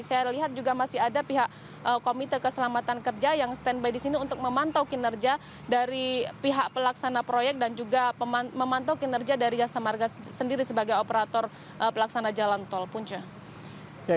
saya lihat juga masih ada pihak komite keselamatan kerja yang stand by di sini untuk memantau kinerja dari pihak pelaksana proyek dan juga memantau kinerja dari jasa marga sendiri sebagai operator pelaksana jalan tol punca